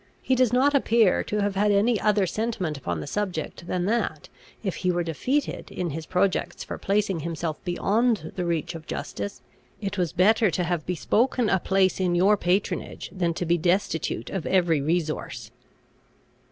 He does not appear to have had any other sentiment upon the subject, than that, if he were defeated in his projects for placing himself beyond the reach of justice, it was better to have bespoken a place in your patronage than to be destitute of every resource."